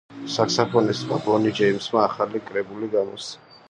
საქსაფონისტმა ბონი ჯეიმსმა ახალი კრებული გამოსცა.